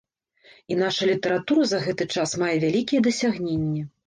І наша літаратура за гэты час мае вялікія дасягненні.